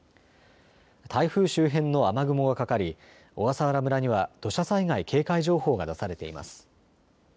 台風周辺の雨雲がかかり小笠原村には土砂災害警戒情報が出されています。